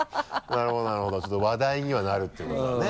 なるほどなるほどちょっと話題にはなるっていうことだね。